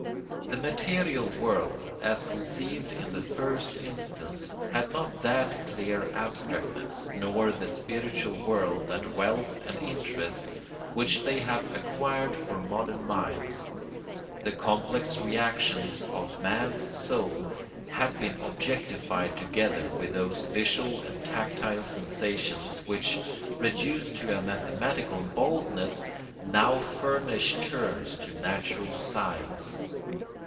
The material world, as conceived in the first instance, had not that clear abstractness, nor the spiritual world that wealth and interest, which they have acquired for modern minds. The complex reactions of man's soul had been objectified together with those visual and tactile sensations which, reduced to a mathematical baldness, now furnish terms to natural science.